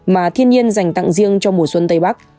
mà thiên nhiên dành tặng riêng cho mùa xuân tây bắc